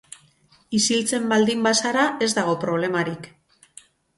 Isiltzen baldin bazara ez dago problemarik.